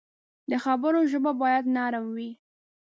د خبرو ژبه باید نرم وي